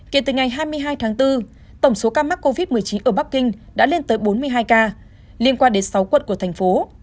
kể từ ngày hai mươi hai tháng bốn tổng số ca mắc covid một mươi chín ở bắc kinh đã lên tới bốn mươi hai ca liên quan đến sáu quận của thành phố